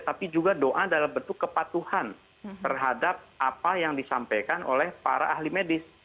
tapi juga doa dalam bentuk kepatuhan terhadap apa yang disampaikan oleh para ahli medis